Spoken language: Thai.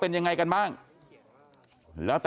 พ่อขออนุญาต